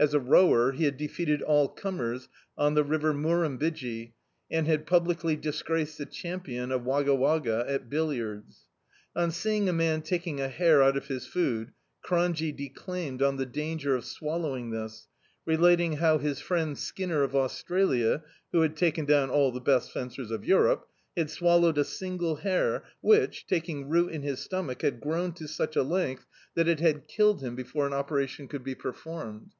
As a rower he had defeated all cmn ers on the river Murrumbidgee, and had publicly disgraced the champim of Wagga Wagga at bil liards. On seeing a man taking a hair out of his food, Cronje declaimed on the danger of swallowing this, relating how his friend Skinner of Australia — who had taken down all the best fencers of Europe — ^had swallowed a single hair which, taking root in his stomach, had grown to such a length that D,i.,.db, Google The Autobiography of a Super Tramp it had killed him before an opcratioo could be perforaied.